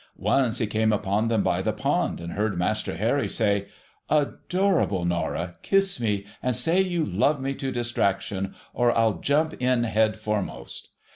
Once he came upon them by the pond, and heard Master Harry say, ' Adorable Norah, kiss me, and say you love me to distraction, or I'll jump in head foremost.'